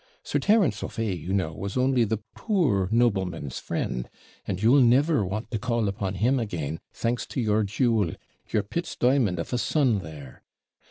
Sir Terence O'Fay, you know, was only THE POOR NOBLEMAN'S FRIEND, and you'll never want to call upon him again, thanks to your jewel, your Pitt's di'mond of a son there.